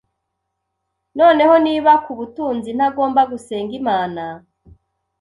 Noneho niba kubutunzi ntagomba gusenga Imana